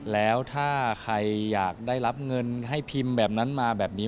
แล้วถ้าใครอยากได้ได้รับเงินให้พิมพ์แบบนั้นมา